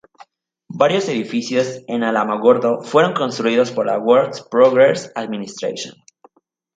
Varios edificios en Alamogordo fueron construidos por la Works Progress Administration.